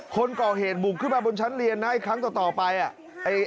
คนก่อเหตุบุกขึ้นมาบนชั้นเรียนนะอีกครั้งต่อไปอ่ะ